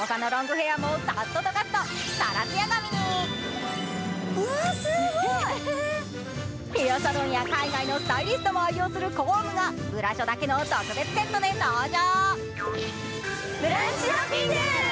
ヘアサロンや海外のスタイリストも愛用するヘアケアアイテムがブラショだけの特別セットで登場。